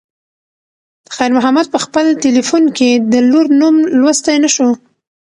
خیر محمد په خپل تلیفون کې د لور نوم لوستی نه شو.